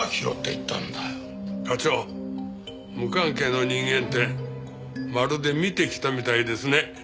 課長「無関係の人間」ってまるで見てきたみたいですね。